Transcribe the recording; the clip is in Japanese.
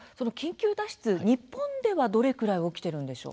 日本ではどれくらい起きているんでしょう？